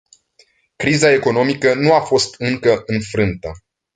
Criza economică nu a fost încă înfrântă.